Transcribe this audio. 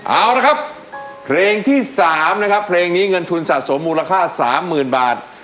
เอาละครับเพลงที่๓นะครับเพลงนี้เงินทุนสะสมมูลค่า๓๐๐๐บาท